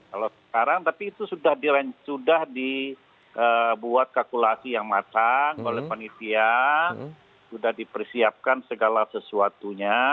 kalau sekarang tapi itu sudah dibuat kalkulasi yang matang oleh panitia sudah dipersiapkan segala sesuatunya